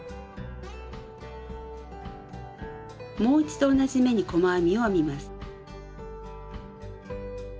もう一度同じ目に細編みを編みます。